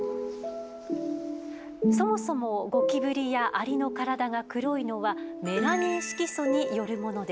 そもそもゴキブリやアリの体が黒いのはメラニン色素によるものです。